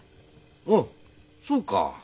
おおそうか。